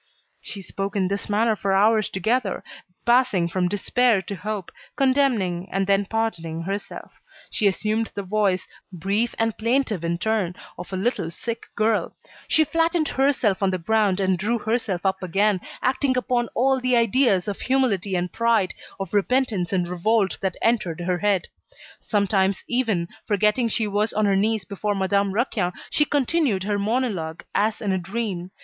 She spoke in this manner for hours together, passing from despair to hope, condemning and then pardoning herself; she assumed the voice, brief and plaintive in turn, of a little sick girl; she flattened herself on the ground and drew herself up again, acting upon all the ideas of humility and pride, of repentance and revolt that entered her head. Sometimes even, forgetting she was on her knees before Madame Raquin, she continued her monologue as in a dream.